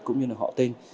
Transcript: cũng như là họ tên